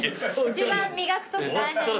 一番磨くとき大変。